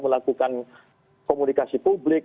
melakukan komunikasi publik